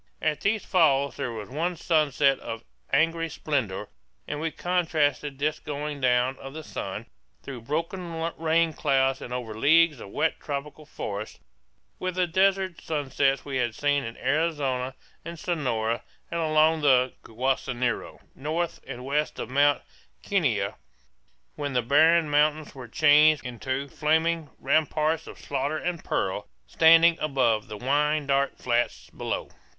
At these falls there was one sunset of angry splendor; and we contrasted this going down of the sun, through broken rain clouds and over leagues of wet tropical forest, with the desert sunsets we had seen in Arizona and Sonora, and along the Guaso Nyiro north and west of Mount Kenia, when the barren mountains were changed into flaming "ramparts of slaughter and peril" standing above "the wine dark flats below."